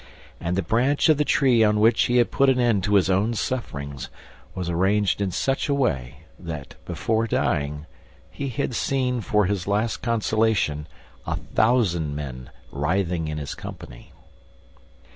And the branch of the tree on which he had put an end to his own sufferings was arranged in such a way that, before dying, he had seen, for his last consolation, a thousand men writhing in his company.